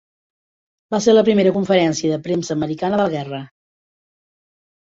Va ser la primera conferència de premsa americana de la guerra.